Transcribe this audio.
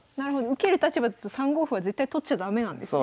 受ける立場だと３五歩は絶対取っちゃ駄目なんですね。